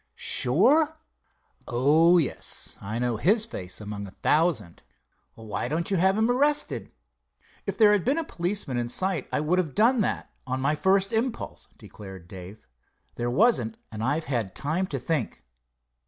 "Sure?" "Oh, yes, I'd know his face among a thousand." "Why don't you have him arrested?" "If there had been a policeman in sight I would have done that, on my first impulse," declared Dave. "There wasn't and I've had time to think."